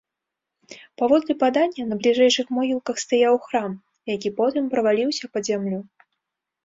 Паводле падання, на бліжэйшых могілках стаяў храм, які потым праваліўся пад зямлю.